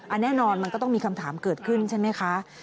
แน่นอนมันก็ต้องมีคำถามเกิดขึ้นใช่ไหมคะ